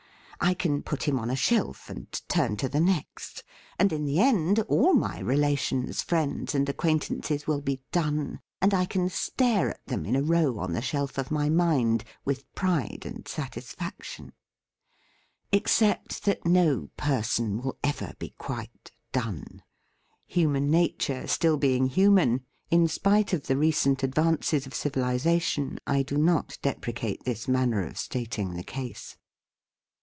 I can put him on a shelf, and turn to the next; and, in the end, all my relations, friends and acquaintances will be 'done' and I can stare at them in a row on the shelf of my mind, with pride and satis faction ." Except that no per son will ever be quite "done," human nature, still being human, in spite of the recent advances of civilisation, I do not deprecate this manner of stating the case.